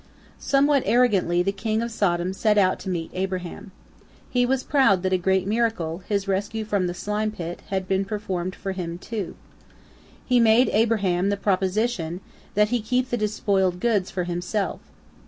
Somewhat arrogantly the king of Sodom set out to meet Abraham. He was proud that a great miracle, his rescue from the slime pit, had been performed for him, too. He made Abraham the proposition that he keep the despoiled goods for himself.